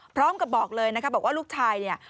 พร้อมกับบอกเลยนะคะบอกว่าลูกชายเนี่ย